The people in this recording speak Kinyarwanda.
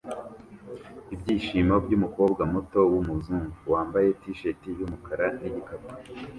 Ibyishimo byumukobwa muto wumuzungu wambaye t-shati yumukara nigikapu